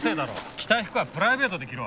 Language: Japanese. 着たい服はプライベートで着ろ。